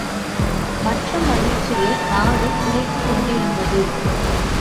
மட்டற்ற மகிழ்ச்சியில் நாடு திளைத்துக் கொண்டிருந்தது.